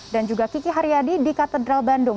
dan juga kiki haryadi di katedral bandung